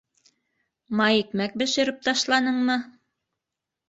Майикмәк бешереп ташланыңмы?